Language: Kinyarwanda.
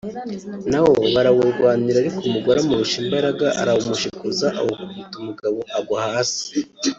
na wo barawurwanira ariko umugore amurusha imbaraga arawumushikuza awukubita umugabo agwa hasi